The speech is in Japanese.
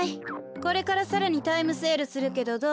これからさらにタイムセールするけどどうする？